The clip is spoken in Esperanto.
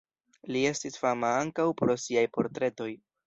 Li estis fama ankaŭ pro siaj portretoj.